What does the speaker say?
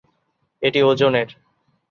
এটি ওজনের।